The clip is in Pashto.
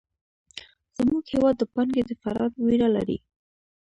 زموږ هېواد د پانګې د فرار وېره لري.